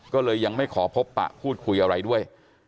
ก็เลยยังไม่ขอพบปะพูดคุยอะไรด้วย